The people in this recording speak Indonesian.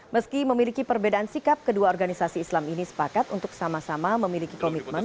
meski memiliki perbedaan sikap kedua organisasi islam ini sepakat untuk sama sama memiliki komitmen